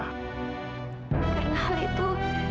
karena hal itu